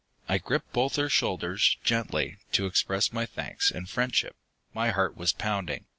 I gripped both her shoulders, gently, to express my thanks and friendship. My heart was pounding.